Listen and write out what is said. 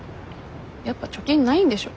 やっぱ貯金ないんでしょ。